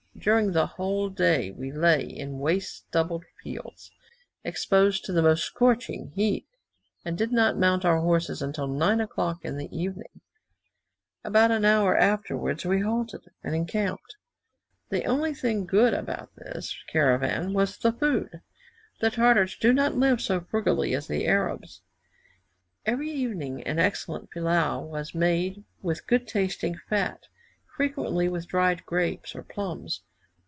During the whole day we lay in waste stubble fields, exposed to the most scorching heat, and did not mount our horses until 9 o'clock in the evening; about an hour afterwards we halted, and encamped. The only thing good about this caravan was the food. The Tartars do not live so frugally as the Arabs. Every evening an excellent pillau was made with good tasting fat, frequently with dried grapes or plums.